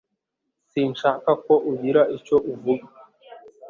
Sinshaka ko ugira icyo uvuga